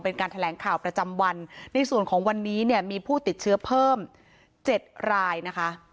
เป็นการแถลงข่าวประจำวันในส่วนของวันนี้เนี่ยมีผู้ติดเชื้อเพิ่มเจ็ดรายนะคะ